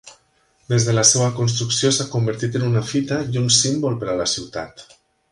Des de la seva construcció, s'ha convertit en una fita i un símbol per a la ciutat.